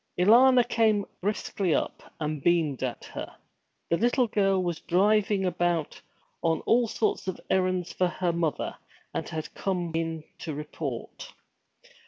Alanna came briskly up, and beamed at her. The little girl was driving about on all sorts of errands for her mother, and had come in to report.